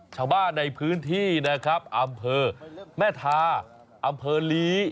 ชาวบ้านในพื้นที่นะครับอำเภอแม่ทาอำเภอลี